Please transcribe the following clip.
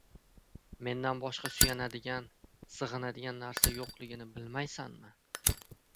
— Mendan boshqa suyanadigan, sig‘inadigan narsa yo‘g‘ligini bilmaysanmi?